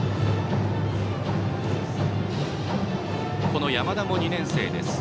この山田も２年生です。